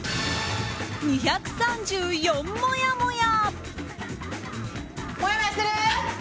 ２３４もやもや！